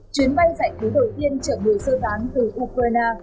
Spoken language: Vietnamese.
chuyến bay dạy thứ đầu tiên trở về sơ tán từ ukraine